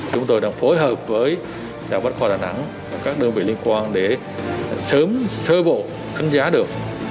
chúng tôi đang phối hợp với đảng bát kho đà nẵng các đơn vị liên quan để sớm sơ bộ khám giá được